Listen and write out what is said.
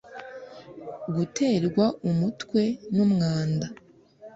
Guterwa umutwe n’umwanda